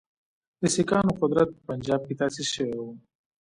د سیکهانو قدرت په پنجاب کې تاسیس شوی وو.